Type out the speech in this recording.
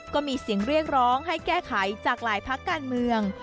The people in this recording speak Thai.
ก็มีเสียงเรียกร้องให้แก้ไขจากหลายพักการเมือง